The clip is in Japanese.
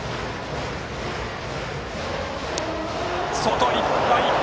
外いっぱい！